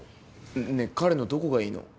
ねえ彼のどこがいいの？